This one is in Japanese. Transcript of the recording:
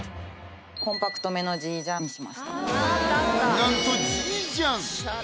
なんとジージャン！